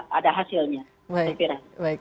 kita bisa mencari hasilnya